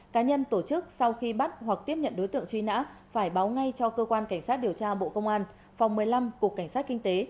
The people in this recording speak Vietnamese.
cá nhân tổ chức sau khi bắt hoặc tiếp nhận đối tượng truy nã phải báo ngay cho cơ quan cảnh sát điều tra bộ công an phòng một mươi năm cục cảnh sát kinh tế